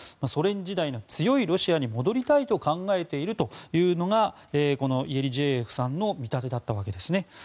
ソ連時代の強いロシアに戻りたいと考えているというのがイェリジェーエフさんの見立てだったわけですね。